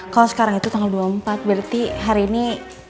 kalau sekarang itu tanggal dua puluh empat berarti hari ini